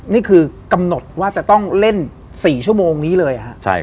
นี่เค้าเล่นกว่าต้องเล่นสี่โชกนนี้เลย